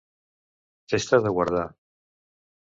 Festa de guardar.